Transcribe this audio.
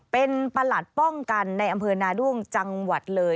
เป็นประหลัดป้องกันในอำเภอนาด้วงจังหวัดเลย